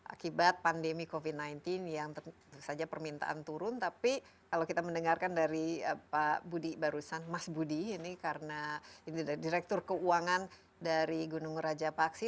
akibat pandemi covid sembilan belas yang tentu saja permintaan turun tapi kalau kita mendengarkan dari pak budi barusan mas budi ini karena ini direktur keuangan dari gunung raja paksi